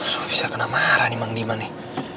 soalnya bisa kena marah nih mang diman nih